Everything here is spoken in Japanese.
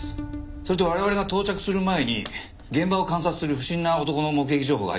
それと我々が到着する前に現場を観察する不審な男の目撃情報が入っています。